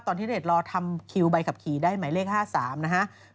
ที่เดชรอทำคิวใบขับขี่ได้หมายเลข๕๓นะฮะ